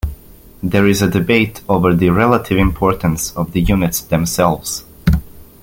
There is debate over the relative importance of the units themselves.